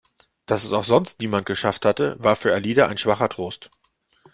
Dass es auch sonst niemand geschafft hatte, war für Alida ein schwacher Trost.